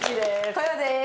こよです。